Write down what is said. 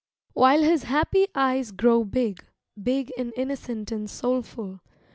While his happy eyes grow big, Big and innocent and soulful.